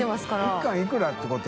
１貫いくらってこと？